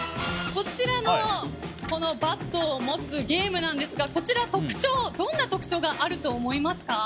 こちらのバットを持つゲームなんですがこちら、どんな特徴があると思いますか？